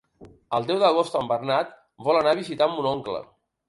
El deu d'agost en Bernat vol anar a visitar mon oncle.